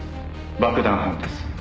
爆弾犯です」